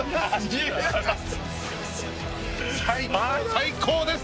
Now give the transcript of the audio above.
最高です！